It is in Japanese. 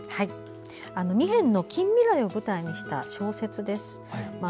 ２編の近未来を舞台にした小説です。